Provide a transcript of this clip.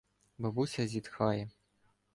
Бабуся зітхає.